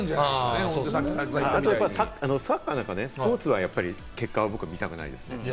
サッカーなんかスポーツは結果は僕は見たくないです。